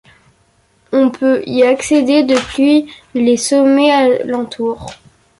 On peut y accéder depuis les sommets alentour.